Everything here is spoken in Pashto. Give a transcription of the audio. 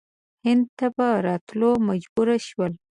هند ته په راتللو مجبور شول.